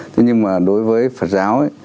thế nhưng mà đối với phật giáo